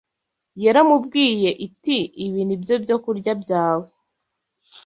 Yaramubwiye iti: “Ibi ni byo byokurya byawe.”